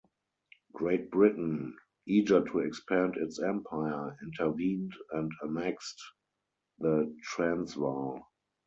great Britain, eager to expand its empire, intervened and annexed the Transvaal.